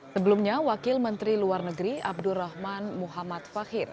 sebelumnya wakil menteri luar negeri abdurrahman muhammad fakir